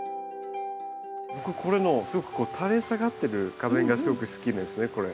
これのすごくたれ下がってる花弁がすごく好きですねこれ。